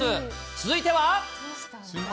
続いては。